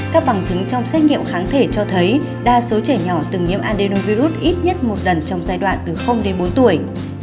các bằng chứng trong xét nghiệm kháng thể cho thấy đa số trẻ nhỏ từng nhiễm adenovirus ít nhất một lần trong giai đoạn từ đến bốn tuổi